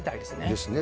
ですね。